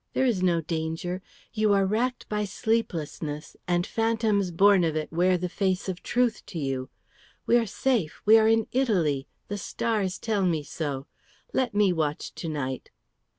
There is no danger. You are racked by sleeplessness, and phantoms born of it wear the face of truth to you. We are safe; we are in Italy. The stars tell me so. Let me watch to night."